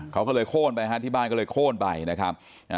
เขาก็เลยโค้นไปฮะที่บ้านก็เลยโค้นไปนะครับ